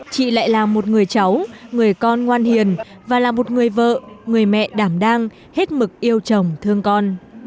chị lại là một người cháu người con ngoan hiền và là một người vợ người mẹ đảm đang hết mực yêu chồng thương con